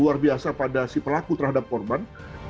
luar biasa pada si pelaku terhadap korban